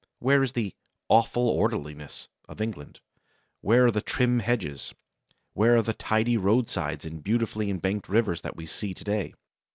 Where is the "awful orderliness" of England? Where are the trim hedges? Where are the tidy roadsides and beautifully embanked rivers that we see to day?